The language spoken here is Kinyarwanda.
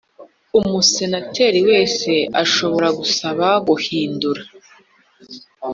Umusenateri wese ashobora gusaba guhindura